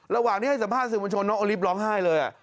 ระหว่างที่ให้สัมภาษณสื่อมวลชนน้องโอลิฟต์ร้องไห้เลย